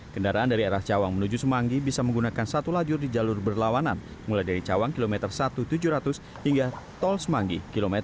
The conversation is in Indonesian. kendaraan dari arah cawang menuju semanggi bisa menggunakan satu lajur di jalur berlawanan mulai dari cawang km satu tujuh ratus hingga tol semanggi